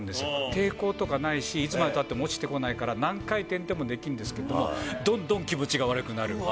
抵抗とかないし、いつまでたっても落ちてこないから何回でもできるんですけど、どんどん気持ちが悪くなる。